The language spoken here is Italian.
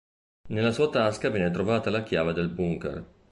Nella sua tasca viene trovata la chiave del bunker.